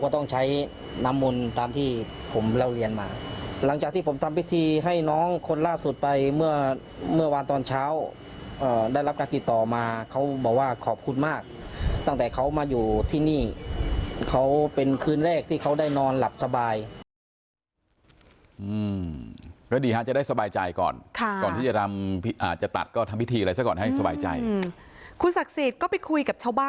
ตามที่ผมเล่าเรียนมาหลังจากที่ผมทำพิธีให้น้องคนล่าสุดไปเมื่อเมื่อวานตอนเช้าได้รับการติดต่อมาเขาบอกว่าขอบคุณมากตั้งแต่เขามาอยู่ที่นี่เขาเป็นคืนแรกที่เขาได้นอนหลับสบาย